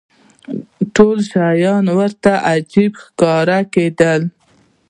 ټول شیان ورته عجیبه ښکاره کېدل.